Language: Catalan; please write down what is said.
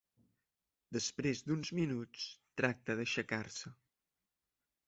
Després d'uns minuts tracta d'aixecar-se.